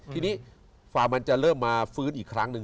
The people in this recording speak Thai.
ทีนี้ฟาร์มันจะเริ่มมาฟื้นอีกครั้งหนึ่ง